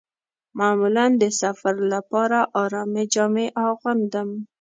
معمولاً د سفر لپاره ارامې جامې اغوندم.